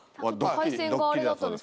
回線があれだったんですかね。